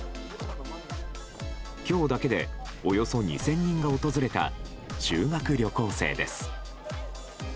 今日だけでおよそ２０００人が訪れた修学旅行生です。